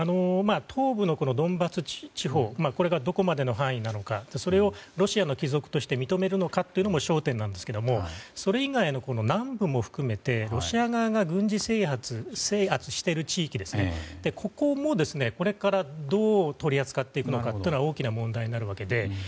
東部のドンバス地方がどこまでの範囲なのかそれをロシアの帰属として認めるかというのが焦点なんですけどそれ以外の南部も含めてロシア側が軍事制圧している地域もこれからどう取り扱っていくのかは大きな問題になるわけで。